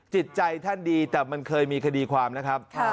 จิตใจท่านดีแต่มันเคยมีคดีความนะครับ